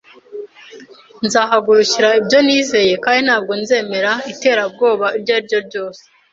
Nzahagurukira ibyo nizera kandi ntabwo nzemera iterabwoba iryo ari ryo ryose.